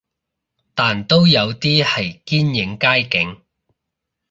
但都有啲係堅影街景